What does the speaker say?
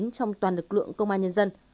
trong toàn lực lượng công an nhân dân